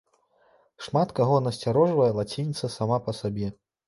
Шмат каго насцярожвае лацініца сама па сябе.